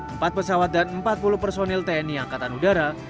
empat pesawat dan empat puluh personil tni angkatan udara